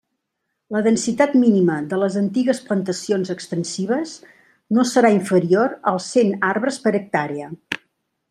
La densitat mínima de les antigues plantacions extensives no serà inferior als cent arbres per hectàrea.